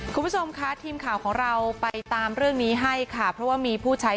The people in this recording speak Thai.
คุณผู้ชมค่ะทีมข่าวของเราไปตามเรื่องนี้ให้ค่ะเพราะว่ามีผู้ใช้